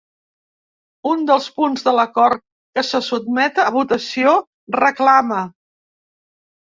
Un dels punts de l’acord que se sotmet a votació reclama.